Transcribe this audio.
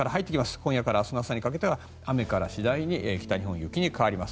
今夜から明日の朝にかけては雨から次第に北日本は雪に変わります。